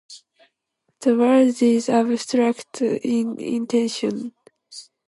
The word is abstract in intention.